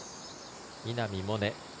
稲見萌寧。